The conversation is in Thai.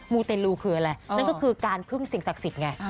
ูเตลูคืออะไรนั่นก็คือการพึ่งสิ่งศักดิ์สิทธิ์ไง